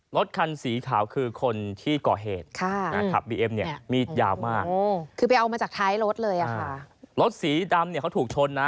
รถคันสีขาวคือคนที่เกาะเหตุ